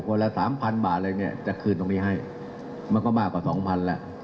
คนละ๓๐๐๐บาทเลยจะคืนตรงนี้ให้มันก็มากกว่า๒๐๐๐บาทแล้ว